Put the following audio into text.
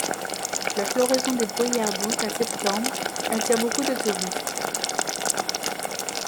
La floraison des bruyères d'août à septembre attirent beaucoup de touristes.